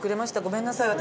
ごめんなさい。